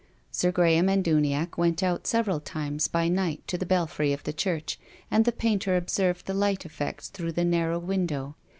Sir Gra ham and Uniacke went out several times by night to the belfry of the church, and the painter ob served the light effects through the narrow win dow.